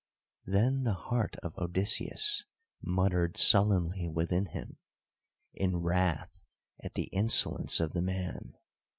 Then the heart of Odysseus muttered sullenly within him, in wrath at the insolence of the man.